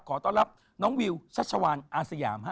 ขอต้อนรับน้องวิวชัชวานอาสยามฮะ